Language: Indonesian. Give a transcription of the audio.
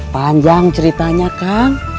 panjang ceritanya kang